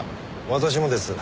私もです。